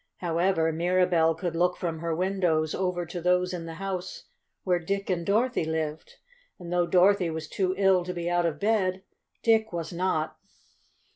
However, Mirabell could look from her windows over to those in the house where Dick and Dorothy lived. And though Dorothy was too ill to be out of bed, Dick was not.